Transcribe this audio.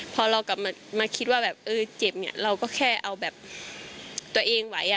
พอเรากลับมาคิดว่าเจ็บเราก็แค่เอาแบบตัวเองไหว